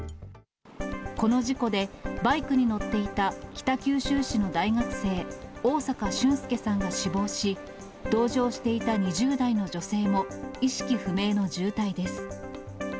この事故で、バイクに乗っていた北九州市の大学生、大坂駿介さんが死亡し、同乗していた２０代の女性も意識不明の重体です。